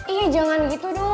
iya jangan gitu dong